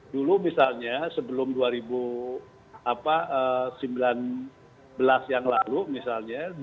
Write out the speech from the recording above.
dulu misalnya sebelum dua ribu sembilan belas yang lalu misalnya